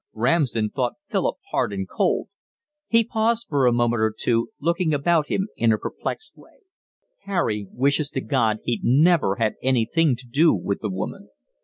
Ramsden thought Philip hard and cold. He paused for a moment or two, looking about him in a perplexed way. "Harry wishes to God he'd never had anything to do with the woman."